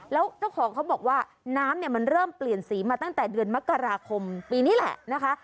แล้วเจ้าของเขาบอกว่าน้ำเนี่ยมันเริ่มเปลี่ยนสีมาตั้งแต่เดือนมกราคมปีนี้แหละนะคะ